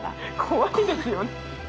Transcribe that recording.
怖いですよね。